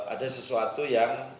ada sesuatu yang